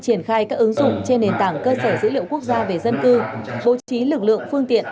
triển khai các ứng dụng trên nền tảng cơ sở dữ liệu quốc gia về dân cư bố trí lực lượng phương tiện